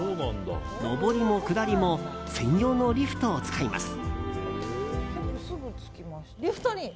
登りも下りも専用のリフトを使います。